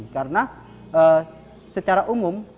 karena secara umum